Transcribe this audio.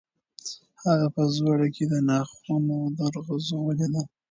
هغه په زړه کې د ناخوالو درغځنه ولیده.